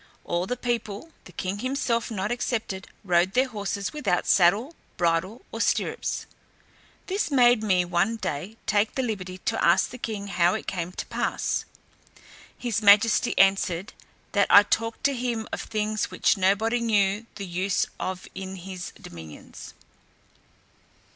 All the people, the king himself not excepted, rode their horses without saddle, bridle, or stirrups. This made me one day take the liberty to ask the king how it came to pass? His majesty answered, that I talked to him of things which nobody knew the use of in his dominions.